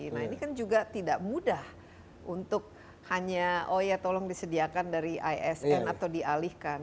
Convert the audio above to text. nah ini kan juga tidak mudah untuk hanya oh ya tolong disediakan dari isn atau dialihkan